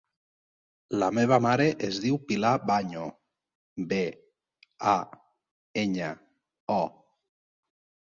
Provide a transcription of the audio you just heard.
La meva mare es diu Pilar Baño: be, a, enya, o.